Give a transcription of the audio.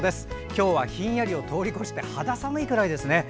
今日は、ひんやりを通り越して肌寒いくらいですね。